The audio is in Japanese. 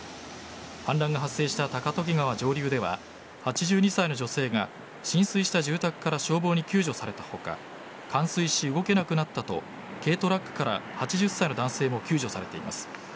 氾濫が発生した高時川上流では８２歳の女性が浸水した住宅から消防に救助された他冠水し、動けなくなったと軽トラックから８０歳の男性も救助されています。